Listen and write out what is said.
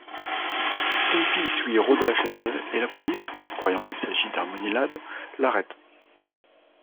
Stumpy suit Rhoda chez elle, et la police, croyant qu'il s'agit d'Harmony Lad, l'arrête.